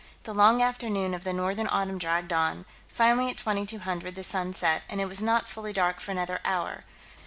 The long afternoon of the northern autumn dragged on; finally, at 2200, the sun set, and it was not fully dark for another hour.